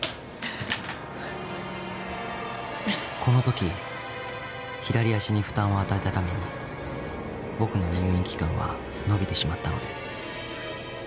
［このとき左脚に負担を与えたために僕の入院期間は延びてしまったのです］